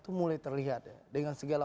itu mulai terlihat ya dengan segala